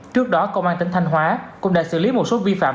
trước đó công an tỉnh thanh hóa cũng đã xử lý một số vi phạm